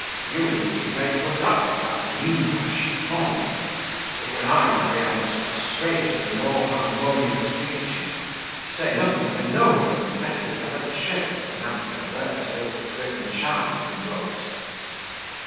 You, indeed, may put up with that "minois chiffone"; but when I marry I must have straighter and more harmonious features, to say nothing of a nobler and better developed shape than that perverse, ill thriven child can boast."